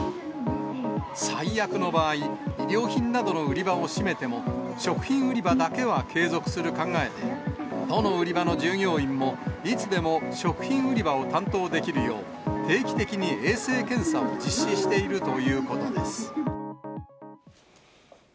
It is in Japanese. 最悪の場合、衣料品などの売り場を閉めても、食品売り場だけは継続する考えで、どの売り場の従業員もいつでも食品売り場を担当できるよう、定期的に衛生検査を実施しているということです。